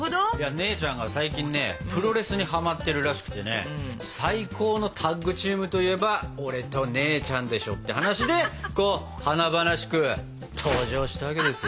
姉ちゃんが最近ねプロレスにはまってるらしくてね最高のタッグチームといえば俺と姉ちゃんでしょって話でこう華々しく登場したわけですよ。